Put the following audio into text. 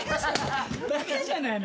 バカじゃないの？